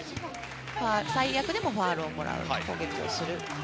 最悪でもファウルをもらう、攻撃をする。